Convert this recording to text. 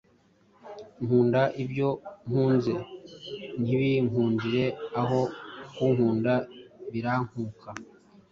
Nkunda ibyo nkunze ntibinkundire; aho kunkunda birankuka,